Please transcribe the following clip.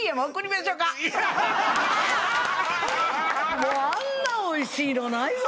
もうあんなおいしいのないわ！